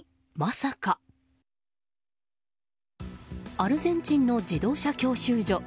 アルゼンチンの自動車教習所。